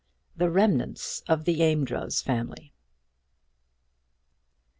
THE REMNANTS OF THE AMEDROZ FAMILY.